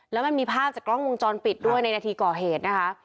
แล้วมันมีภาพจากกล้องวงจรปิดด้วยในนาทีก่อเหตุนะคะ